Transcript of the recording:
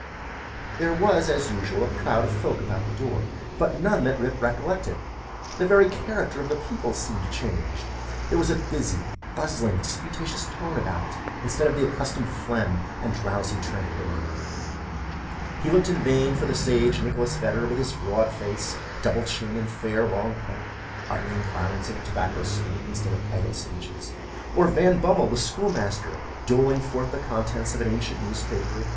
There was, as usual, a crowd of folk about the door, but none that Rip recollected. The very character of the people seemed changed. There was a busy, bustling, disputatious tone about it, instead of the accustomed phlegm and drowsy tranquillity. He looked in vain for the sage Nicholas Vedder, with his broad face, double chin, and fair long pipe, uttering clouds of tobacco smoke instead of idle speeches; or Van Bummel, the schoolmaster, doling forth the contents of an ancient newspaper.